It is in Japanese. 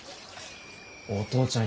お父ちゃん